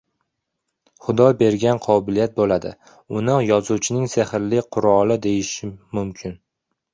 Xudo bergan qobiliyat boʻladi. Uni yozuvchining sehrli quroli deyish mumkin